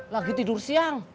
lagi tidur siang